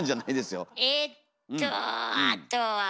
えっとあとは。